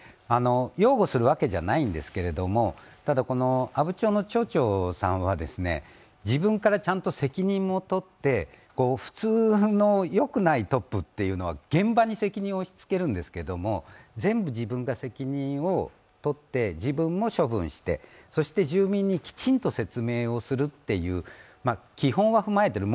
擁護するわけじゃないんですけれども、阿武町の町長さんは、自分からちゃんと責任をとって、普通の、よくないトップというのは現場に責任を押しつけるんですけども全部自分が責任をとって自分も処分してそして住民にきちんと説明をするという、基本は踏まえている。